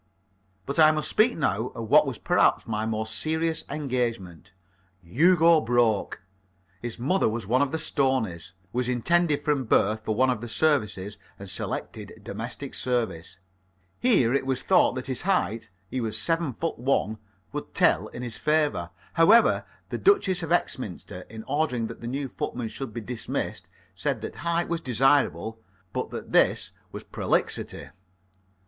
But I must speak now of what was perhaps my most serious engagement. Hugo Broke his mother was one of the Stoneys was intended from birth for one of the services and selected domestic service. Here it was thought that his height he was seven foot one would tell in his favour. However, the Duchess of Exminster, in ordering that the new footman should be dismissed, said that height was desirable, but that this was prolixity.